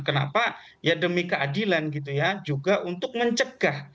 kenapa ya demi keadilan gitu ya juga untuk mencegah